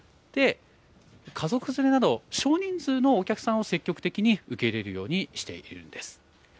家族連れなど、少人数のお客さんを積極的に受け入れるようにしているんです。